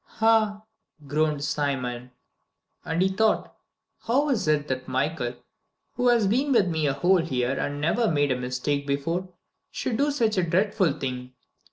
"Ah," groaned Simon, and he thought, "How is it that Michael, who has been with me a whole year and never made a mistake before, should do such a dreadful thing?